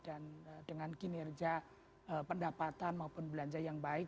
dan dengan kinerja pendapatan maupun belanja yang baik